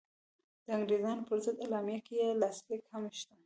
د انګرېزانو پر ضد اعلامیه کې یې لاسلیک هم شته.